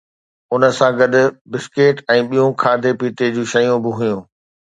ان سان گڏ بسڪيٽ ۽ ٻيون کاڌي پيتي جون شيون به هيون